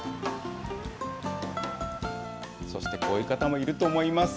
そしてこういう方もいると思います。